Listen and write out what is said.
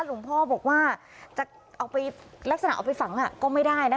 หลวงพ่อบอกว่าจะเอาไปลักษณะเอาไปฝังก็ไม่ได้นะคะ